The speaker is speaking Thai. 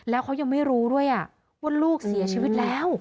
แล้วเขายังไม่รู้ด้วยว่าลูกเสียชีวิตแล้ว